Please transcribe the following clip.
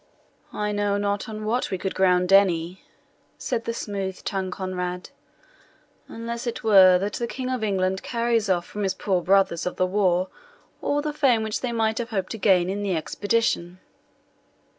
"I know not on what we could ground any," said the smooth tongued Conrade, "unless it were that the King of England carries off from his poor brothers of the war all the fame which they might have hoped to gain in the expedition."